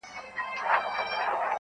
زه لکه پل خلک مي هره ورځ په لار کی ویني-